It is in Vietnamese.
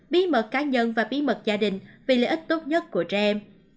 bí mật cá nhân và bí mật gia đình vì lợi ích tốt nhất của trẻ em